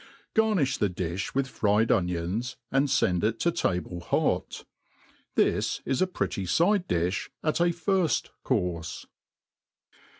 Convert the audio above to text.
Garni£h the diOi with, fried onions, and fend it to table hot. This is a pretty fide^rdtih at a firft courfc.